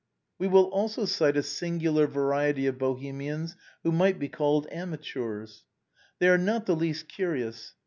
We will also cite a singular variety of Bohemians who might be called amateurs. They are not the least curious.